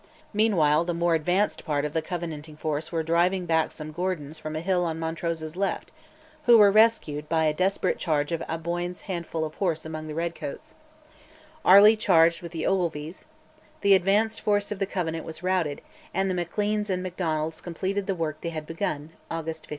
Meanwhile the more advanced part of the Covenanting force were driving back some Gordons from a hill on Montrose's left, who were rescued by a desperate charge of Aboyne's handful of horse among the red coats; Airlie charged with the Ogilvies; the advanced force of the Covenant was routed, and the Macleans and Macdonalds completed the work they had begun (August 15).